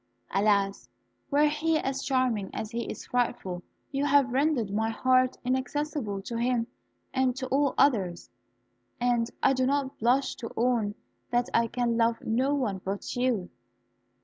Alas! were he as charming as he is frightful, you have rendered my heart inaccessible to him and to all others; and I do not blush to own that I can love no one but you."